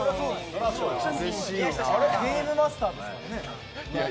ゲームマスターですからね。